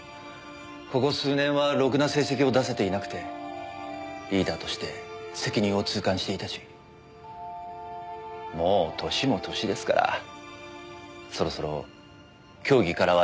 ここ数年はろくな成績を出せていなくてリーダーとして責任を痛感していたしもう年も年ですからそろそろ競技からは引退しようかと。